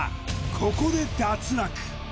ここで脱落